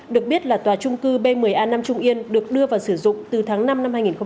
được biết là tòa trung cư b một mươi a năm trung yên được đưa vào sử dụng từ tháng năm năm hai nghìn một mươi ba